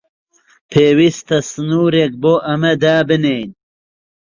پێویستە سنوورێک بۆ ئەمە دابنێین.